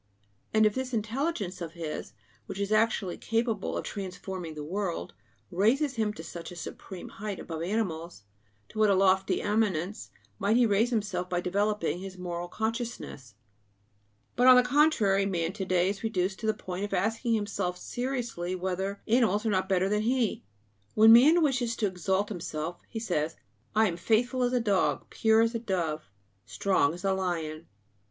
And if this intelligence of his, which is actually capable of transforming the world, raises him to such a supreme height above animals, to what a lofty eminence might he raise himself by developing his moral consciousness! But on the contrary, man to day is reduced to the point of asking himself seriously whether animals are not better than he. When man wishes to exalt himself, he says: "I am faithful as a dog, pure as a dove, strong as a lion."